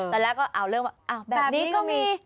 แต่แล้วอลเริ่มแบบนี้ก็มี